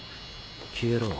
消えろ。